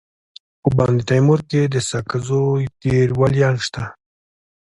په بندتیمور کي د ساکزو ډير ولیان سته.